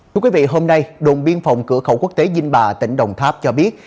thưa quý vị hôm nay đồn biên phòng cửa khẩu quốc tế dinh bà tỉnh đồng tháp cho biết